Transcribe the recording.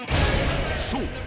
［そう。